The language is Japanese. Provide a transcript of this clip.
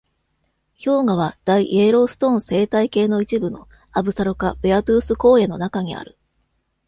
氷河は、大イエローストーン生態系の一部のアブサロカ・ベアトゥース荒野の中にある。